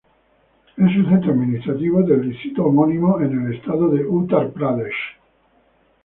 Es el centro administrativo del distrito homónimo, en el estado de Uttar Pradesh.